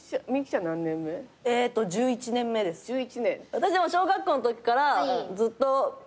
私小学校のときからずっと。